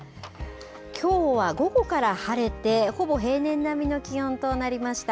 きょうは午後から晴れて、ほぼ平年並みの気温となりました。